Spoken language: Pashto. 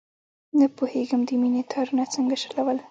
نه پوهېږم، د مینې تارونه څنګه شلول.